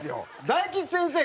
大吉先生